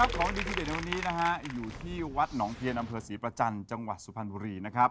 ของดีที่เด็ดในวันนี้นะฮะอยู่ที่วัดหนองเทียนอำเภอศรีประจันทร์จังหวัดสุพรรณบุรีนะครับ